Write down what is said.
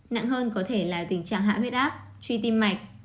nặng hơn có thể là tình trạng hạ huyết áp truy tim mạch